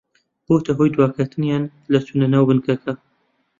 بۆتە هۆی دواکەوتنیان لە چوونە ناو بنکەکە